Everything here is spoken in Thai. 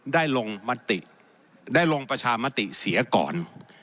ลงมติได้ลงประชามติเสียก่อน